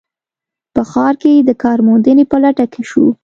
په ښار کې د کار موندنې په لټه کې شول